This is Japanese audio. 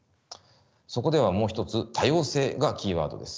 そこではもう一つ多様性がキーワードです。